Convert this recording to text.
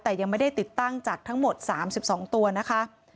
แต่ยังไม่ได้ติดตั้งจากทั้งหมด๓๒ตัวนะคะ